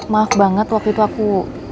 maaf banget waktu itu aku